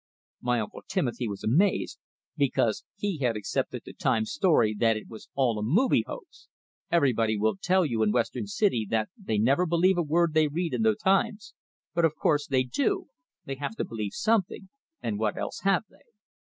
My Uncle Timothy was amazed, because he had accepted the "Times" story that it was all a "movie" hoax. Everybody will tell you in Western City that they "never believe a word they read in the 'Times'"; but of course they do they have to believe something, and what else have they?